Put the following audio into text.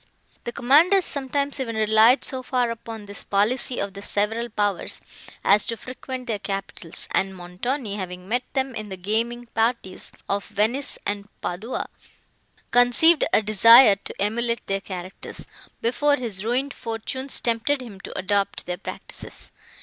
The commanders sometimes even relied so far upon this policy of the several powers, as to frequent their capitals; and Montoni, having met them in the gaming parties of Venice and Padua, conceived a desire to emulate their characters, before his ruined fortunes tempted him to adopt their practices.